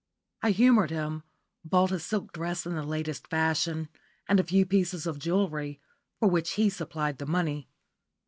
I humoured him, bought a silk dress in the latest fashion, and a few pieces of jewellery, for which he supplied the money.